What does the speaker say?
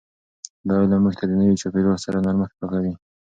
دا علم موږ ته د نوي چاپیریال سره نرمښت راکوي.